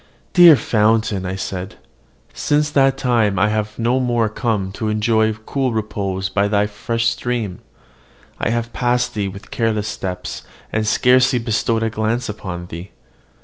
"Dear fountain!" I said, "since that time I have no more come to enjoy cool repose by thy fresh stream: I have passed thee with careless steps, and scarcely bestowed a glance upon thee."